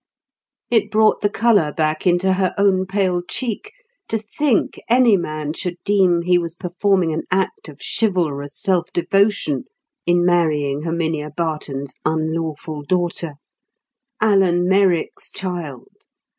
It brought the colour back into her own pale cheek to think any man should deem he was performing an act of chivalrous self devotion in marrying Herminia Barton's unlawful daughter. Alan Merrick's child!